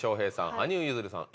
羽生結弦さん